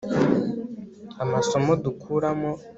amasomo dukuramo